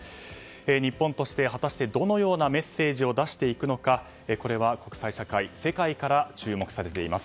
日本として果たしてどのようなメッセージを出していくのかこれは国際社会世界から注目されています。